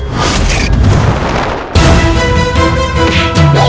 jangan lupa untuk berlangganan